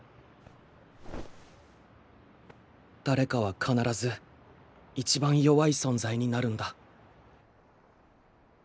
誰かは必ず一番弱い存在になるんだ。